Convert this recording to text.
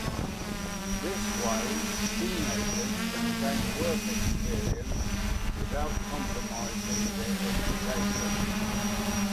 This way, teenagers can gain work experience without compromising their education.